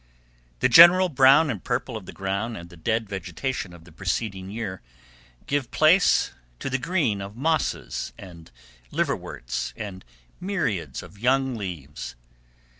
The general brown and purple of the ground, and the dead vegetation of the preceding year, give place to the green of mosses and liverworts and myriads of young leaves.